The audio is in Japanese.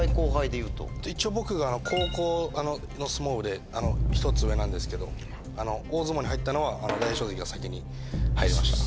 一応僕が高校の相撲部で１つ上なんですけど大相撲に入ったのは大栄翔関が先に入りました。